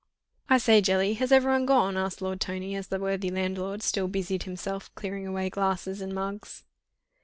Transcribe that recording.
"I say, Jelly, has everyone gone?" asked Lord Tony, as the worthy landlord still busied himself clearing away glasses and mugs.